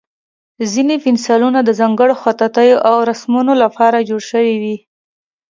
ځینې پنسلونه د ځانګړو خطاطیو او رسمونو لپاره جوړ شوي وي.